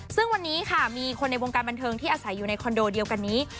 ซึ่งวันนี้ค่ะมีคนในวงการบันเทิงที่อาศัยอยู่ในคอนโดเดียวกันนี้